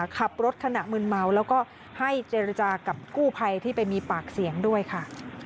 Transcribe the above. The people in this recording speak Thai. ขับรถขณะมืนเมาแล้วก็ให้เจรจากับกู้ภัยที่ไปมีปากเสียงด้วยค่ะ